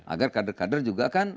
agar kader kader juga kan